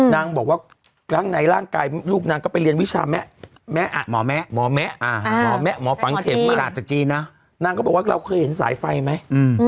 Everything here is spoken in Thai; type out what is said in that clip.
นางบอกว่าในร่างกายลูกนางก็ไปเรียนวิชาแมะหมอแมะหมอฟังเทศมากนางก็บอกว่าเราเคยเห็นสายไฟไหม